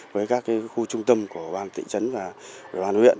với các khu trung tâm của ban thị trấn và ủy ban huyện